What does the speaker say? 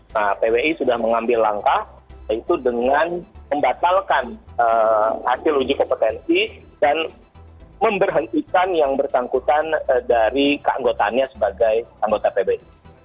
nah pwi sudah mengambil langkah yaitu dengan membatalkan hasil uji kompetensi dan memberhentikan yang bersangkutan dari keanggotaannya sebagai anggota pbsi